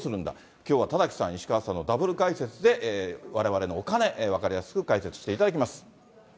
きょうは田崎さん、石川さんのダブル解説でわれわれのお金、分かりやすく解説していただきます。